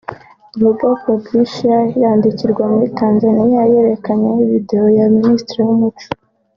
Global Pubishers yandikirwa muri Tanzania yerekanye Video ya Minisitiri w’Umuco